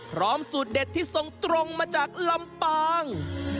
สูตรเด็ดที่ส่งตรงมาจากลำปาง